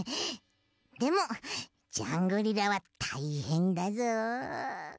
でもジャングリラはたいへんだぞ！